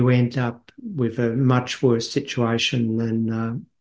dan anda akan mencapai situasi yang lebih buruk